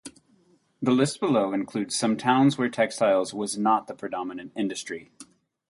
The list below includes some towns where textiles was not the predominant industry.